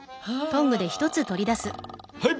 はい！